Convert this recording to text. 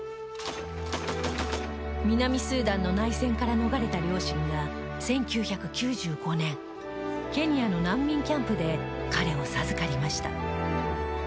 南スーダンの内戦から逃れた両親が１９９５年ケニアの難民キャンプで彼を授かりました。